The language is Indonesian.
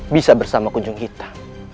bisa bersama kunjung kita